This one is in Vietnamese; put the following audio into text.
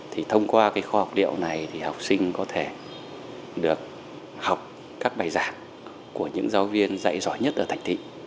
thông qua kho học liệu này học sinh có thể được học các bài giảng của những giáo viên dạy giỏi nhất ở thành tịnh